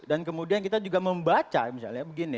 dan kemudian kita juga membaca misalnya begini